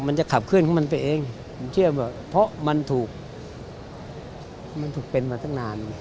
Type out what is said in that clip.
มันจะขับเคลื่อนของมันไปเองผมเชื่อว่าเพราะมันถูกมันถูกเป็นมาตั้งนาน